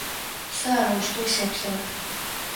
Сэ арэущтэу сеплъырэп.